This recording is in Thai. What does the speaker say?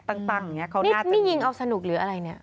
ตั้งเขาน่าจะนี่ยิงเอาสนุกหรืออะไรนี่